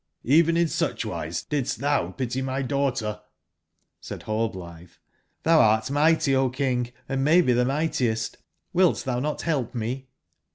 Gven in such wise didst thou pitymydaughtcr "j? Said Rallblithe: "tThou art mighty, O King, and maybe the mightiest, ^ilt thou not help me?"